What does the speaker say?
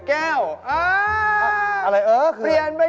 จุปปะจุบ